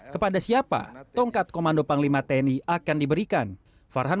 kepada siapa tongkat komando panglima tni akan menentukan